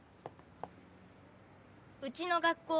うちの学校